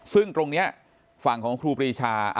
ซึ่งตรงนี้ฝั่งของครูปรีชา